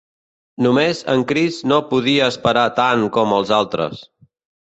Només en Chris no podia esperar tant com els altres.